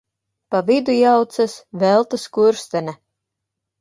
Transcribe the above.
Pa vidu jaucas: Velta Skurstene.